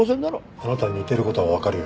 あなたに似ている事はわかるよ。